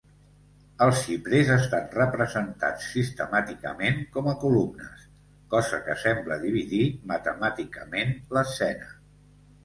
Els xiprers estan representats sistemàticament com a columnes, cosa que sembla dividir matemàticament l'escena.